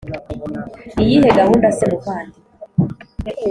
iyihe gahunda se muvandi